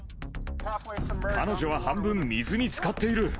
彼女は半分水につかっている。